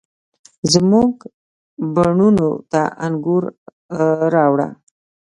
زموږ بڼوڼو ته انګور، راوړه،